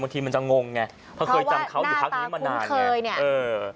บางทีมันจะงงไงเพราะว่าหน้าตาคุ้มเคยเนี่ย